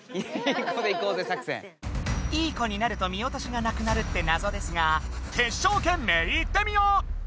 いい子になると見おとしがなくなるってナゾですがテッショウけんめいいってみよう！